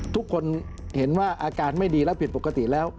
ทุกคนเห็นว่าอาการไม่ดีแล้วผิดปกติแล้ว